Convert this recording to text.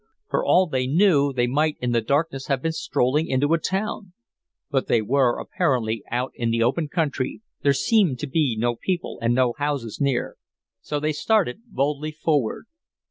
For all they knew they might in the darkness have been strolling into a town. But they were apparently out in the open country, there seemed to be no people and no houses near. So they started boldly forward.